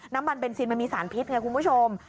น้ำมันเบนซินมันมีสารพิษไงคุณผู้ชม